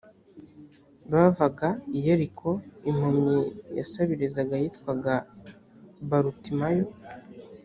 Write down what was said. bavaga i yeriko impumyi yasabirizaga yitwaga barutimayo